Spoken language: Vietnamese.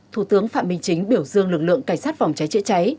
thủ tướng phạm minh chính biểu dương lực lượng cảnh sát phòng cháy chữa cháy